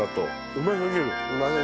うますぎる。